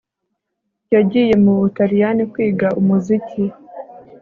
yagiye mu butaliyani kwiga umuziki